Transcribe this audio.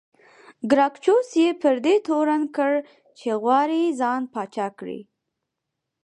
ګراکچوس یې پر دې تورن کړ چې غواړي ځان پاچا کړي